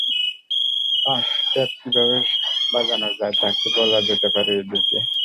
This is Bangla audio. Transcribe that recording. আহ, টেপ কিভাবে বাজানো যায় তা তাকে বলা যেতে পারে ইঁদুর কে?